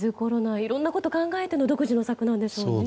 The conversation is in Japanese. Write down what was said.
いろんなことを考えての独自の策なんでしょうね。